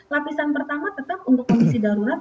lapisan pertama tetap untuk kondisi darurat